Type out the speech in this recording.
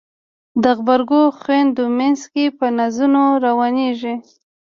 د غبرګو خویندو مینځ کې په نازونو روانیږي